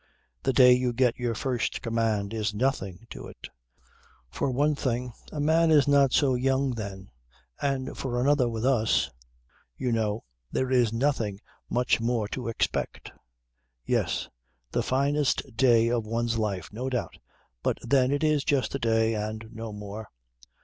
The day you get your first command is nothing to it. For one thing a man is not so young then and for another with us, you know, there is nothing much more to expect. Yes, the finest day of one's life, no doubt, but then it is just a day and no more.